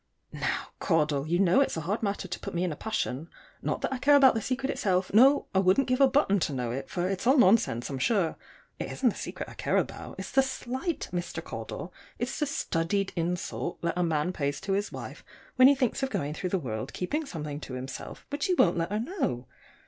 Now, Caudle, you know it's a hard matter to put me in a passion not that I care about the secret itself; no, I wouldn't give a button to know it, for it's all nonsense, I'm sure. It isn't the secret I care about; it's the slight, Mr. Caudle; it's the studied insult that a man pays to his wife, when he thinks of going through the world keeping something to himself which he won't let her know.